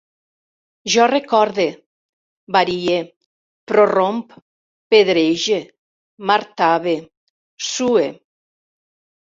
Jo recorde, varie, prorromp, pedrege, martave, sue